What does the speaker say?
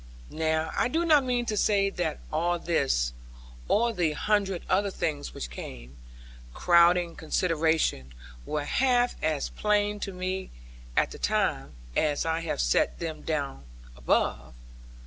Now I do not mean to say that all this, or the hundred other things which came, crowding consideration, were half as plain to me at the time, as I have set them down above.